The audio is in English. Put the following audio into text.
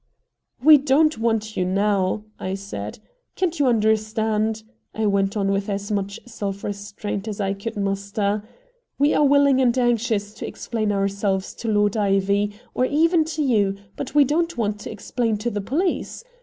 "We don't want you now!" I said. "Can't you understand," I went on with as much self restraint as I could muster, "we are willing and anxious to explain ourselves to Lord Ivy, or even to you, but we don't want to explain to the police?